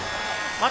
また。